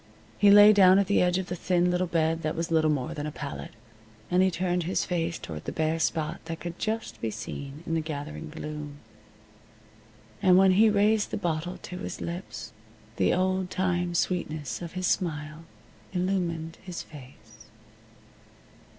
He lay down at the edge of the thin little bed that was little more than a pallet, and he turned his face toward the bare spot that could just be seen in the gathering gloom. And when he raised the bottle to his lips the old time sweetness of his smile illumined his face.